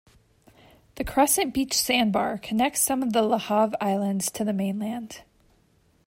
The Crescent Beach sand bar connects some of the LaHave Islands to the mainland.